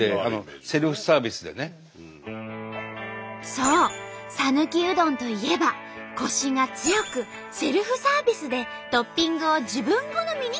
そうさぬきうどんといえばコシが強くセルフサービスでトッピングを自分好みにカスタマイズ。